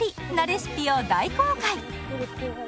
レシピを大公開！